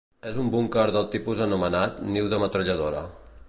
És un búnquer del tipus anomenat, niu de metralladora.